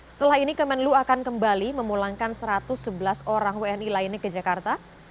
setelah ini kemenlu akan kembali memulangkan satu ratus sebelas orang wni lainnya ke jakarta